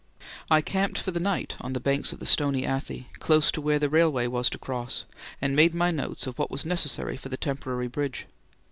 I camped for the night on the banks of the Stony Athi, close to where the railway was to cross, and made my notes of what was necessary for the temporary bridge.